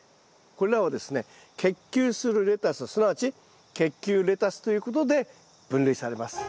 これらはですね結球するレタスすなわち結球レタスということで分類されます。